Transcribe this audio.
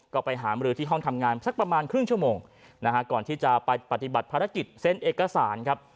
ก็ไปหามรือที่ห้องทำงานสักประมาณครึ่งชั่วโมงนะฮะก่อนที่จะไปปฏิบัติภารกิจเซ็นเอกสารครับ